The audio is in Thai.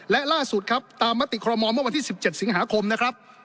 และล่าสุดครับตามมติคอรมอลเมื่อวันที่๑๗สิงหาคมนะครับ